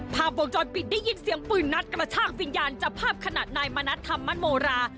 วงจรปิดได้ยินเสียงปืนนัดกระชากวิญญาณจับภาพขณะนายมณัฐธรรมโมรา